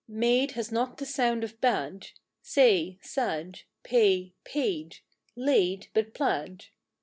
Made has not the sound of bade, Say—said, pay—paid, laid, but plaid.